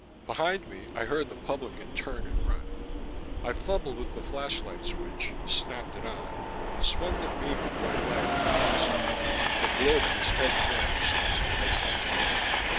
Behind me, I heard the publican turn and run. I fumbled with the flashlight switch, snapped it on, swung the beam of white light on Foster. The globe at his head vanished as the light touched it.